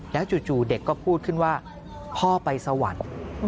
แล้วจู่เด็กก็พูดขึ้นว่าพ่อไปสวรรค์